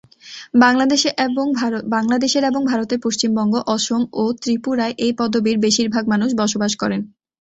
বাংলাদেশের এবং ভারতের পশ্চিমবঙ্গ, অসম ও ত্রিপুরায় এই পদবীর বেশিরভাগ মানুষ বসবাস করেন।